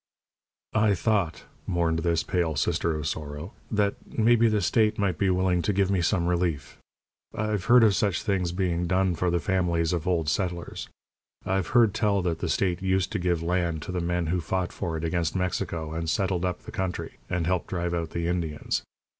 "I thought," mourned this pale sister of sorrow, "that maybe the state might be willing to give me some relief. I've heard of such things being done for the families of old settlers. I've heard tell that the state used to give land to the men who fought for it against Mexico, and settled up the country, and helped drive out the Indians.